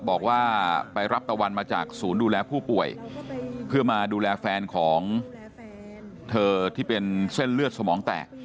บอกว่าไปรับตะวันมาจากศูนย์ดูแลผู้ป่วยเพื่อมาดูแลแฟนของเธอที่เป็นเส้นเลือดสมองแตก